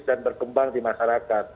dan berkembang di masyarakat